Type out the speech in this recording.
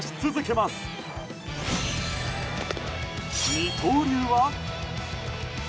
二刀流は？